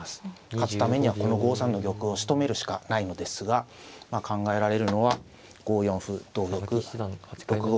勝つためにはこの５三の玉をしとめるしかないのですが考えられるのは５四歩同玉６五